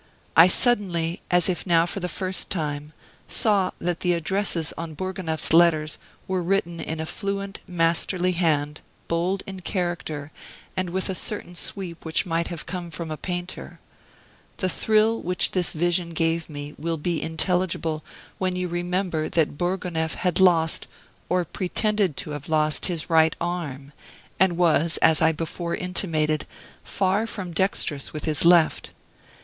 I suddenly, as if now for the first time, saw that the addresses on Bourgonef's letters were written in a fluent, masterly hand, bold in character, and with a certain sweep which might have come from a painter. The thrill which this vision gave will be intelligible when you remember that Bourgonef had lost or pretended to have lost his right arm, and was, as I before intimated, far from dexterous with his left.